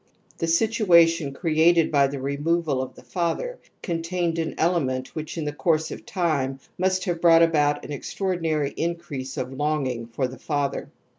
The situation created by the removal of the father contained an element which in the course of time must have brought about an extraprdinaigzL inrrpMp of lon ging fo r the fathe r.